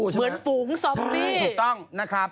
เหมือนฝูงซอมบี้